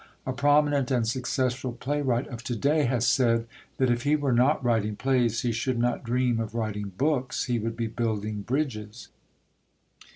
A prominent and successful playwright of to day has said that if he were not writing plays, he should not dream of writing books; he would be building bridges.